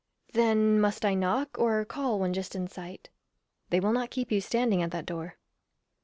Then must I knock, or call when just in sight? They will not keep you standing at that door.